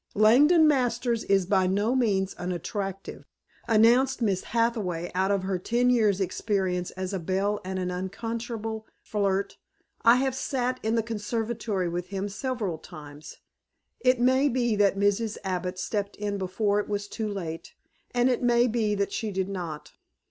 "Langdon Masters is by no means unattractive," announced Miss Hathaway out of her ten years' experience as a belle and an unconscionable flirt. "I have sat in the conservatory with him several times. It may be that Mrs. Abbott stepped in before it was too late. And it may be that she did not."